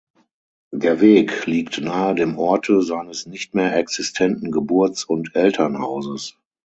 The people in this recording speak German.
Der Weg liegt nahe dem Orte seines nicht mehr existenten Geburts- und Elternhauses.